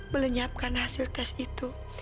melenyapkan hasil tes itu